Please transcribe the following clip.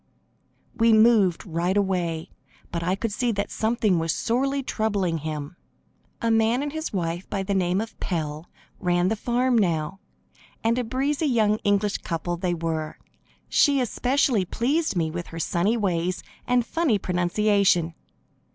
We moved right away, but I could see that something was sorely troubling him. A man and his wife by the name of Pell ran the farm now, and a breezy, young English couple they were. She especially pleased me with her sunny ways and funny pronunciation.